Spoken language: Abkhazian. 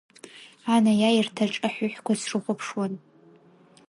Анаиааирҭаҿ аҳәыҳәқәа срыхәуаԥшуан.